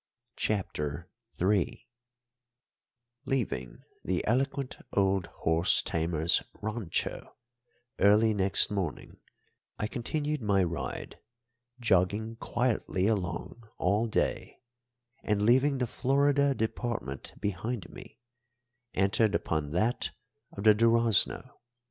CHAPTER III Leaving the eloquent old horse tamer's rancho early next morning, I continued my ride, jogging quietly along all day and, leaving the Florida department behind me, entered upon that of the Durazno.